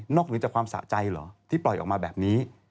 เหนือจากความสะใจเหรอที่ปล่อยออกมาแบบนี้